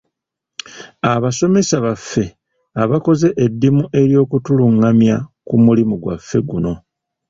Abasomesa baffe abakoze eddimu ery’okutulungamya ku mulimu gwaffe guno.